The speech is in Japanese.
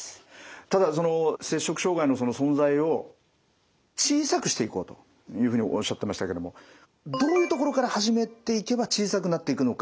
ただ摂食障害の存在を小さくしていこうというふうにおっしゃってましたけどもどういうところから始めていけば小さくなっていくのか。